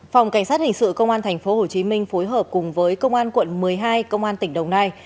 phòng cảnh sát hình sự công an tp hcm phối hợp cùng với công an quận một mươi hai công an tỉnh đồng nai